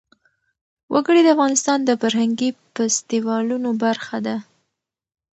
وګړي د افغانستان د فرهنګي فستیوالونو برخه ده.